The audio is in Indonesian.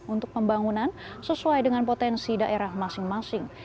untuk pembangunan sesuai dengan potensi daerah masing masing